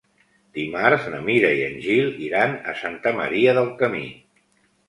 Dimarts na Mira i en Gil iran a Santa Maria del Camí.